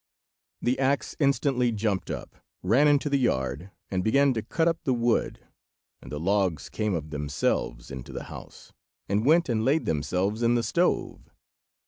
The axe instantly jumped up, ran into the yard, and began to cut up the wood, and the logs came of themselves into the house, and went and laid themselves in the stove.